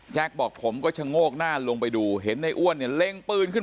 บอกผมก็ชะโงกหน้าลงไปดูเห็นในอ้วนเนี่ยเล็งปืนขึ้น